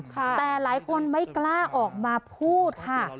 แต่หลายคนไม่กล้าออกมาพูดค่ะ